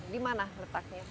di mana letaknya